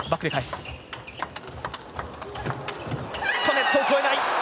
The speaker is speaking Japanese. ネットを越えない。